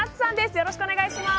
よろしくお願いします！